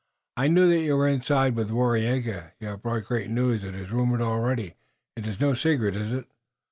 "I knew that you were inside with Waraiyageh! You have brought great news, it is rumored already! It is no secret, is it?"